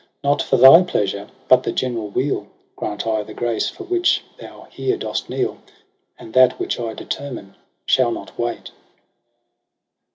Not for thy pleasure, but the general weal Grant I the grace for which thou here dost kneel ^ And that which I determine shall not wait.'